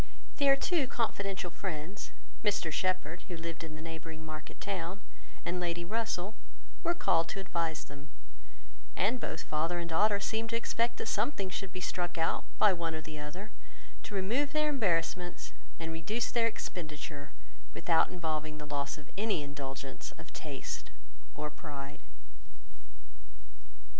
Their two confidential friends, Mr Shepherd, who lived in the neighbouring market town, and Lady Russell, were called to advise them; and both father and daughter seemed to expect that something should be struck out by one or the other to remove their embarrassments and reduce their expenditure, without involving the loss of any indulgence of taste or pride.